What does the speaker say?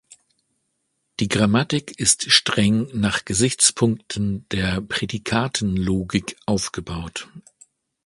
Die Grammatik ist streng nach Gesichtspunkten der Prädikatenlogik aufgebaut.